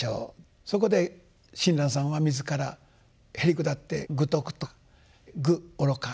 そこで親鸞さんは自らへりくだって「愚禿」と。愚愚か。